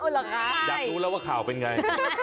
อยากรู้แล้วว่าข่าวเป็นไง